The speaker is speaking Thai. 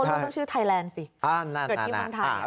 ก็ต้องชื่อไทยแลนด์สิเกิดที่เมืองไทย